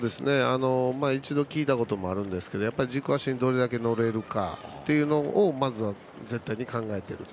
一度聞いたこともあるんですけど軸足にどれだけ乗れるかをまずは考えていると。